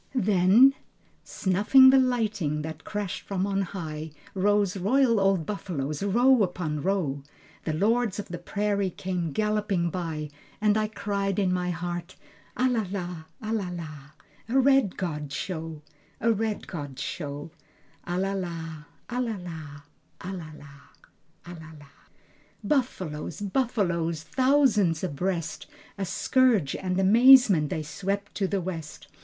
Then ... Snuffing the lightning that crashed from on high Rose royal old buffaloes, row upon row. The lords of the prairie came galloping by. And I cried in my heart "A la la, a la la, A red god show, A red god show, A la la, a la la, a la la, a la la." Buffaloes, buffaloes, thousands abreast, A scourge and amazement, they swept to the west.